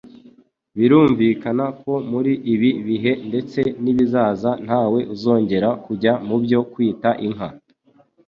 Birumvikana ko muri ibi bihe ndetse n'ibizaza ntawe uzongera kujya mu byo kwita inka.